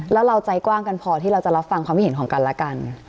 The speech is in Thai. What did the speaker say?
แล้วเราใจกว้างกันพอที่เราจะรับฟังความคิดเห็นของกันและกัน